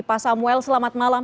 pak samuel selamat malam